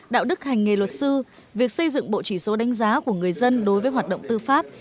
đạo đức hành nghề luật sư việc xây dựng bộ chỉ số đánh giá của người dân đối với hoạt động tư pháp